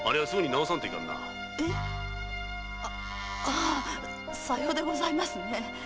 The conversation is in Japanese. アァさようでございますね。